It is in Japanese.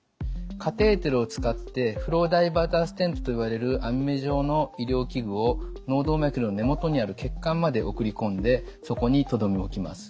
カテーテルを使ってフローダイバーターステントといわれる網目状の医療器具を脳動脈瘤の根元にある血管まで送り込んでそこにとどめ置きます。